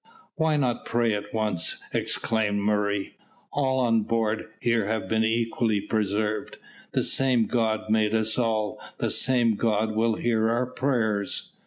"Why not pray at once?" exclaimed Murray. "All on board here have been equally preserved. The same God made us all, the same God will hear our prayers."